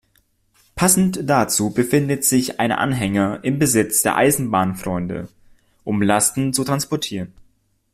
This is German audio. Passend dazu befindet sich ein Anhänger im Besitz der Eisenbahnfreunde, um Lasten zu transportieren.